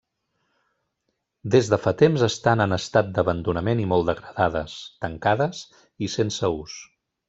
Des de fa temps estan en estat d'abandonament i molt degradades, tancades i sense ús.